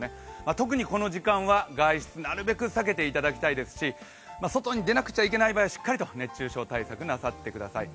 特にこの時間は外出なるべく避けていただきたいですし、外に出なくちゃいけない場合はしっかりと熱中症対策をなさってください。